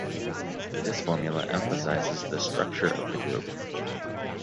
This formula emphasizes the structure of the group.